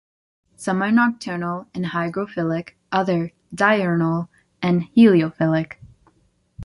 Some are nocturnal and hygrophilic, others diurnal and heliophilic.